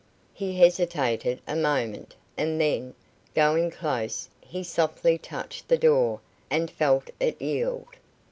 He hesitated a moment, and then, going close, he softly touched the door, and felt it yield.